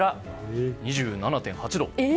２７．８度。